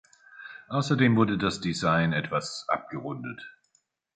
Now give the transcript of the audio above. Außerdem wurde das Design etwas "abgerundet".